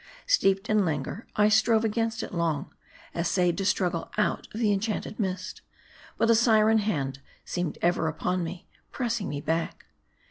Steeped in languor, I strove against it long ; essayed to struggle out of the enchanted mist. But a syren hand seemed ever upon me, pressing me back.